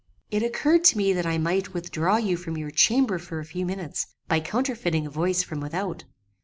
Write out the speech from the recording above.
"It occurred to me that I might withdraw you from your chamber for a few minutes, by counterfeiting a voice from without.